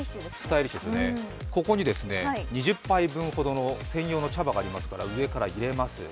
ここに２０杯分の専用の茶葉がありますから上から入れます。